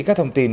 các thông tin